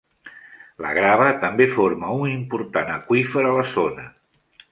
La grava també forma un important aqüífer a la zona.